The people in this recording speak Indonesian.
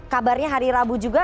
kabarnya hari rabu juga